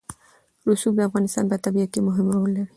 رسوب د افغانستان په طبیعت کې مهم رول لري.